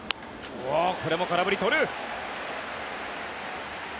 これも空振り取る。